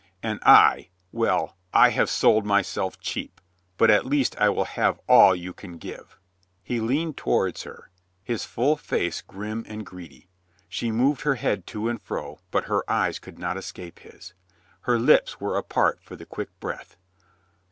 And I — well, I have sold myself cheap, but at least I will have all you can give." He leaned towards her, his full face grim and greedy. She moved her head to and fro, but her eyes could not escape his. Her lips were apart for the quick breath.